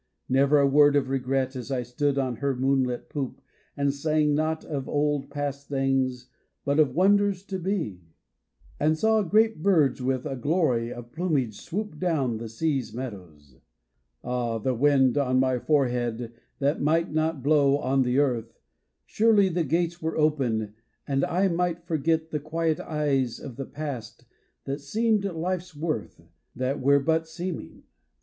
Never a word of regret as I stood on her moonlit poop And sang not of old past things but of wonders to be; And saw great birds with a glory of plumage swoop Down the sea's meadows. Ahl the wind on my forehead that might not blow on the earth, Surely the gates were open, and I might forget The quiet eyes of the past that seemed life's worth, That were but seeming.